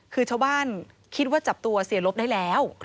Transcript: คือชาวบ้านคิดว่าจับตัวเสียลบได้แล้ว